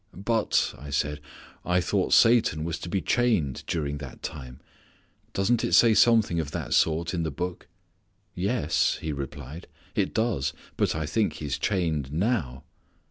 "But," I said, "I thought Satan was to be chained during that time. Doesn't it say something of that sort in the Book?" "Yes," he replied, "it does. But I think he is chained now."